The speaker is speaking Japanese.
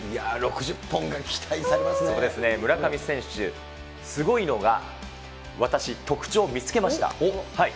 そうですね、村上選手、すごいのが、私、特徴見つけました。